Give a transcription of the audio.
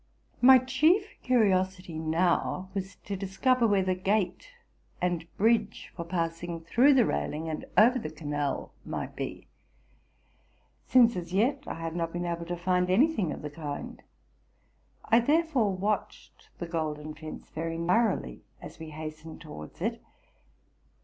My chief curiosity now was, to discover where the gate and bridge, for passing through the railing and over the canal, might be ; since as yet I had not been able to find any thing of the kind. I therefore watched the golden fence very narrowly as we hastened towards it.